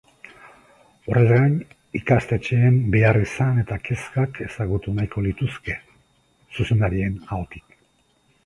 Horrez gain, ikastetxeen beharrizan eta kezkak ezagutu nahiko lituzke, zuzendarien ahotik.